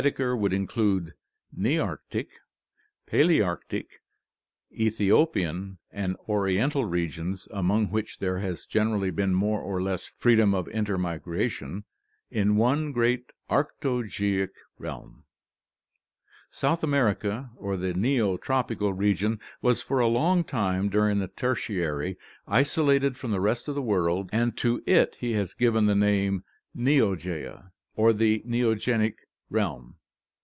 Lydekker would include Nearctic, Palearctic, Ethiopian, and Oriental regions, among which there has generally been more or less freedom of intermigration, in one great Arctogaeic (Gr. ap/eros, north, and yaia, land) realm. South America or the Neotropical region was for a long time during the Tertiary isolated from the rest of the world and to it he has given the name Neogaea or the Neogaeic realm.